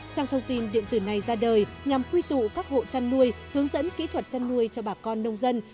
trang thông tin điện tử này ra đời nhằm quy tụ các hộ chăn nuôi hướng dẫn kỹ thuật chăn nuôi cho bà con nông dân